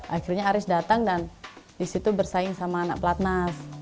akhirnya ari datang dan disitu bersaing sama anak platna